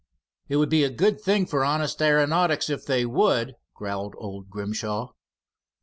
"It would be a good thing for honest aeronautics if they would," growled old Grimshaw.